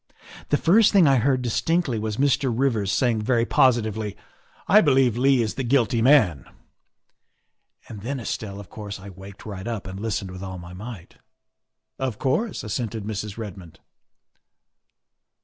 The first thing I heard dis tinctly was Mr. Rivers saying very positively, ' I believe Leigh is the guilty man,' and then, Estelle, of course I waked right up and listened with all my might. ''" Of course," assented Mrs. Redmond.